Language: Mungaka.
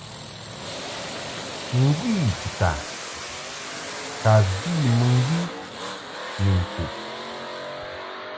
Ngwi tita ka vi mɨŋgwi ni ŋkuʼ.